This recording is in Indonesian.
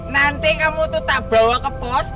nanti kamu tuh tak bawa ke pos